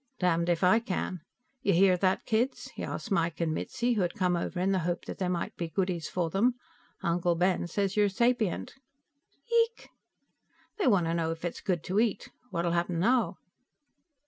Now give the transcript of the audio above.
"Damned if I can. You hear that, kids?" he asked Mike and Mitzi, who had come over in hope that there might be goodies for them. "Uncle Ben says you're sapient." "Yeek?" "They want to know if it's good to eat. What'll happen now?"